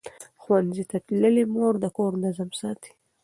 ښوونځې تللې مور د کور نظم ساتي.